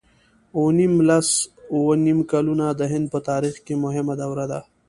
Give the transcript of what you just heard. اووه نېم لس اووه نېم کلونه د هند په تاریخ کې مهمه دوره ده.